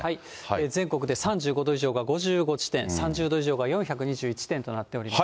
全国で３５度以上が５５地点、３０度以上が４２１地点となっています。